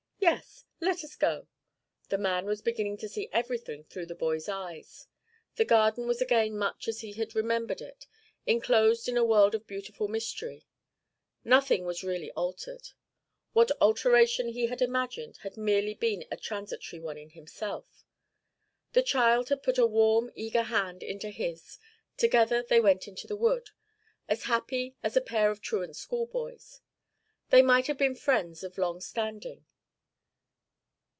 'Yes, let us go.' The man was beginning to see everything through the boy's eyes. The garden was again much as he had remembered it, inclosed in a world of beautiful mystery. Nothing was really altered. What alteration he had imagined had been merely a transitory one in himself. The child had put a warm, eager hand into his; together they went into the wood, as happy as a pair of truant school boys; they might have been friends of long standing.